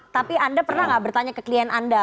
tapi anda pernah nggak bertanya ke klien anda